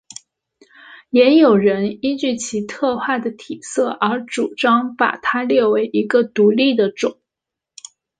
也有人依据其特化的体色而主张把它列为一个独立的种。